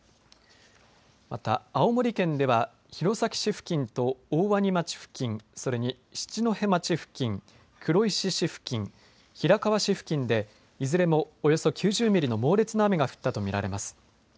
また青森県では弘前市付近と大鰐町付近、それに七戸町付近、黒石市付近、平川市付近でいずれもおよそ９０ミリの猛烈な雨が降ったと見られます。